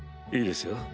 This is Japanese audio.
いいですよ。